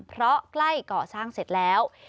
เพราะใกล้ก่อสร้างเสร็จแล้ว